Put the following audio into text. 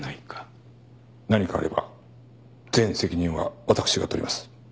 何かあれば全責任はわたくしが取ります。